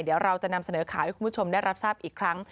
เดี๋ยวเราจะนำเสนอข่าวให้คุณผู้ชมได้รับทราบอีกครั้ง